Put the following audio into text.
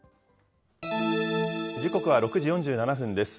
時刻は６時４７分です。